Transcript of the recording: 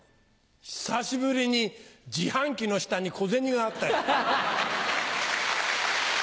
久しぶりに自販機の下に小銭があったよ。